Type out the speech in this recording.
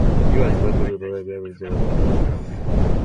He was born at Bourges.